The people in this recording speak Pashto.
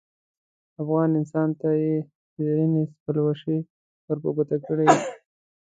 افغان انسان ته یې زرینې پلوشې ور په ګوته کړې.